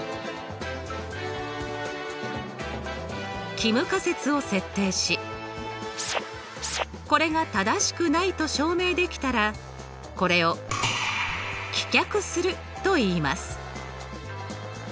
帰無仮説を設定しこれが正しくないと証明できたらこれを棄却するといいます。